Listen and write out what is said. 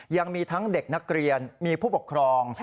ยังมีทั้งเด็กนักเรียนมีผู้ปกครอง